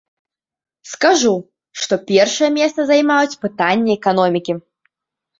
Скажу, што першае месца займаюць пытанні эканомікі.